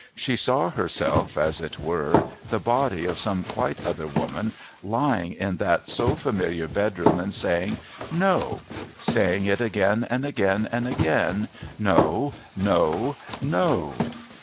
She saw herself, as it were, the body of some quite other woman, lying in that so familiar bedroom and saying "No" saying it again and again and again. "No. No. No."